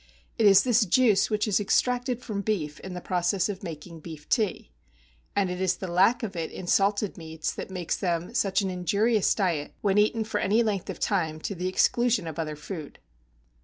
It is this juice which is extracted from beef in the process of making beef tea; and it is the lack of it in salted meats that makes them such an injurious diet when eaten for any length of time to the exclusion of other food.